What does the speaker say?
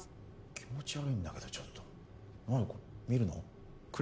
気持ち悪いんだけどちょっと何これ？